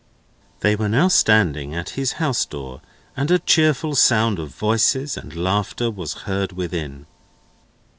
They were now standing at his house door, and a cheerful sound of voices and laughter was heard within.